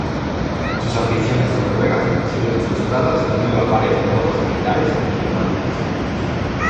Sus ambiciones noruegas se vieron frustradas debido a varias derrotas militares y diplomáticas.